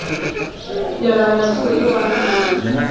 Yaraye aguye iwanjye.